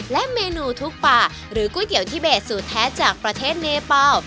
และเมนูทุกป่าหรือก๋วยเตี๋ยวทิเบสสูตรแท้จากประเทศเนเปล่า